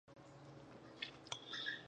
څومره انګریزي پوځ ژوندی پاتې سو؟